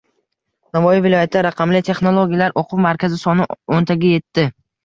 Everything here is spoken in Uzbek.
Navoiy viloyatida “Raqamli texnologiyalar o‘quv markazi” soni o‘ntaga yetding